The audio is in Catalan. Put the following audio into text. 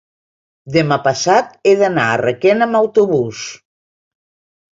Demà passat he d'anar a Requena amb autobús.